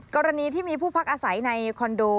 กรณีที่มีผู้พักอาศัยในคอนโด